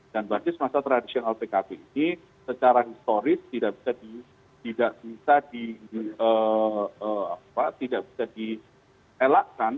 dan basis masa tradisional pkp ini secara historis tidak bisa dielakkan